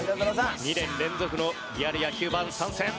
２年連続のリアル野球ＢＡＮ参戦。